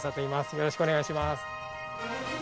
よろしくお願いします。